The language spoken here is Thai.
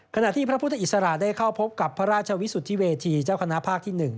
ขณะที่พระพุทธอิสระได้เข้าพบกับพระราชวิสุทธิเวทีเจ้าคณะภาคที่๑